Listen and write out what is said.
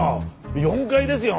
４階ですよ？